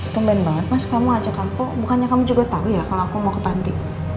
temen banget mas kamu ajak aku bukannya kamu juga tahu ya kalau aku mau ke panti